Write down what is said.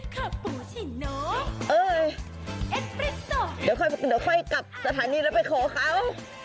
เดี๋ยวค่อยกลับสถานีแล้วไปขอเขา